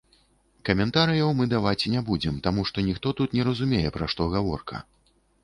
Каментарыяў мы даваць не будзем, таму што ніхто тут не разумее, пра што гаворка.